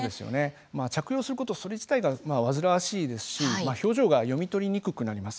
着用することそれ自体が煩わしいですし表情が読み取りにくくなります。